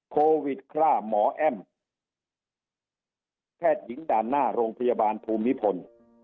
โควิดฆ่าหมอแอ้มแพทย์หญิงด่านหน้าโรงพยาบาลภูมิพล